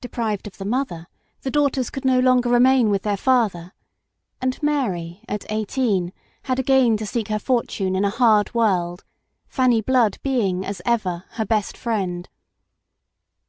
Deprived of the mother, the daughters could no longer remain with their father; and Mary, at eighteen, had again to seek her fortune in a hard world Fanny Blood being, as ever, her best friend.